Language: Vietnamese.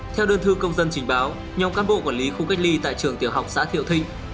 theo đơn thư công dân trình báo nhóm cán bộ quản lý khu cách ly tại trường tiểu học xã thiệu thinh